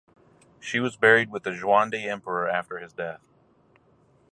She was buried with the Xuande Emperor after his death.